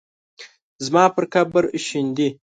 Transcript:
زما پر قبر شیندي